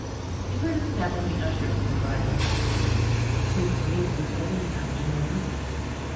He heard a step, and the usher stood by him. "His Grace is ready, Master Norris."